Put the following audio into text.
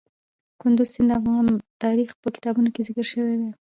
کندز سیند د افغان تاریخ په کتابونو کې ذکر شوی دي.